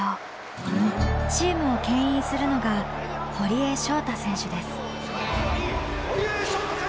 チームをけん引するのが堀江翔太選手です。